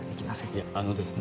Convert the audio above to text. いやあのですね